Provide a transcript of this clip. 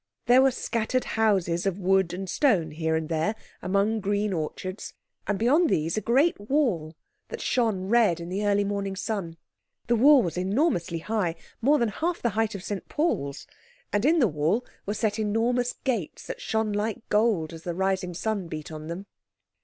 There were scattered houses of wood and stone here and there among green orchards, and beyond these a great wall that shone red in the early morning sun. The wall was enormously high—more than half the height of St Paul's—and in the wall were set enormous gates that shone like gold as the rising sun beat on them.